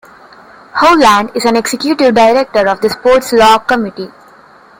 Holland is an executive director of the Sports Law Committee.